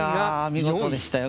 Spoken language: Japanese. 見事でしたよ。